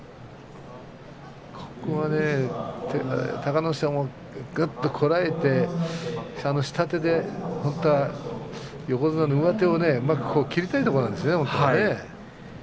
隆の勝、ぐっとこらえて下手で横綱の上手をうまく切りたいところなんですね。